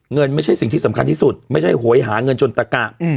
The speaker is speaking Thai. ไม่ใช่สิ่งที่สำคัญที่สุดไม่ใช่โหยหาเงินจนตะกะ